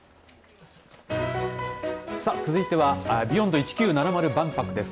続いてはＢｅｙｏｎｄ１９７０万博です。